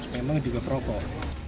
memang juga rokok